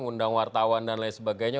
ngundang wartawan dan lain sebagainya